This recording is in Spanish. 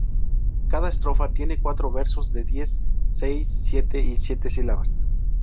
Cada estrofa tiene cuatro versos de diez, seis, siete y siete sílabas.